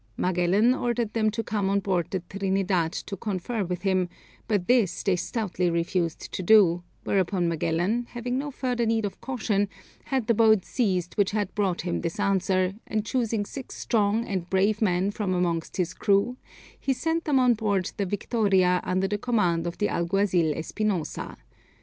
Magellan ordered them to come on board the Trinidad to confer with him; but this they stoutly refused to do, whereupon Magellan, having no further need of caution, had the boat seized which had brought him this answer, and choosing six strong and brave men from amongst his crew, he sent them on board the Victoria under the command of the alguazil Espinosa.